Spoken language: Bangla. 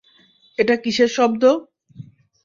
এটা কীসের শব্দ?